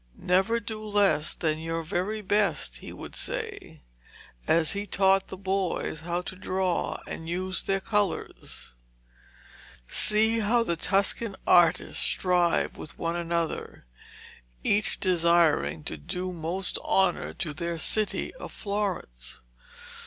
'Never do less than your very best,' he would say, as he taught the boys how to draw and use their colours. 'See how the Tuscan artists strive with one another, each desiring to do most honour to their city of Florence.